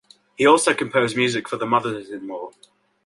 He also composed music for "The Mothers-in-Law".